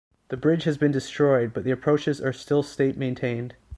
The bridge has been destroyed, but the approaches are still state-maintained.